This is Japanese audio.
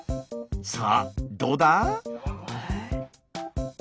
さあどうだ？